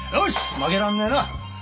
負けらんねぇな